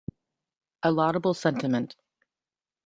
A laudable sentiment.